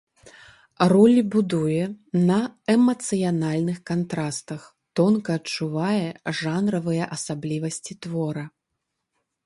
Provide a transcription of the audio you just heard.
Ролі будуе на эмацыянальных кантрастах, тонка адчувае жанравыя асаблівасці твора.